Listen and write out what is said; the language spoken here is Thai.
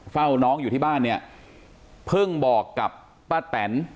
เฝ้าน้องอยู่ที่บ้านเนี่ยเพิ่งบอกกับป้าแตน